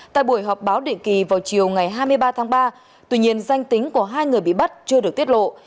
tại buổi họp báo định kỳ vào chiều ngày hai mươi ba tháng ba tuy nhiên danh tính của hai người bị bắt chưa được tiết lộ